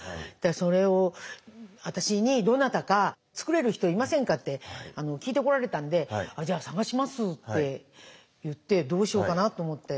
それを私に「どなたか作れる人いませんか？」って聞いてこられたんで「じゃあ探します」って言ってどうしようかなと思って。